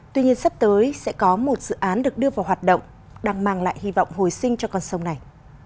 tuy nhiên sắp tới sẽ có một dự án được đưa vào hoạt động đang mang lại hy vọng hồi sinh cho con sông này